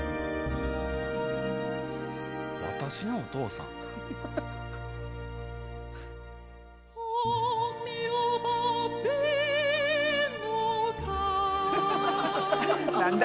『私のお父さん』？何だ？